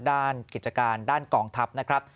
กิจการด้านกองทัพนะครับ